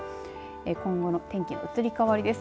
今後の天気の移り変わりです。